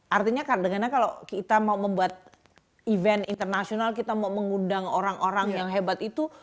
artinya karena kalau kita mau membuat event internasional kita mau mengundang orang orang yang hebat itu